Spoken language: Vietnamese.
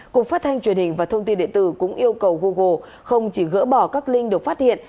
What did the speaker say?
cục phát thanh truyền hình và thông tin điện tử cũng yêu cầu google không chỉ gỡ bỏ các link được phát hiện